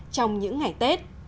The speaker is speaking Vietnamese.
trong những ngày tết